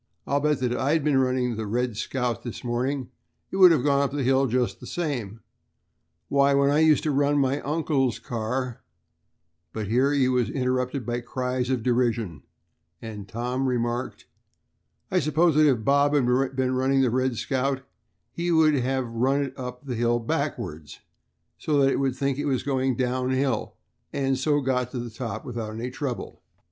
I'll bet that if I had been running the 'Red Scout' this morning it would have gone up that hill just the same. Why, when I used to run my uncle's car " but here he was interrupted by cries of derision, and Tom remarked: "I suppose that if Bob had been running the 'Red Scout' he would have run it up the hill backwards so that it would think it was going downhill, and so got to the top without any trouble."